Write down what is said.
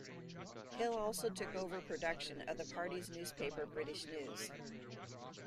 Hill also took over production of the party's newspaper "British News".